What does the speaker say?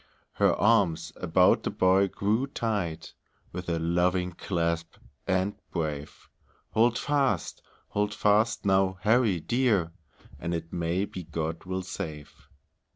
Her arms about the boy grew tight, With a loving clasp, and brave; "Hold fast! Hold fast, now, Harry dear, And it may be God will save."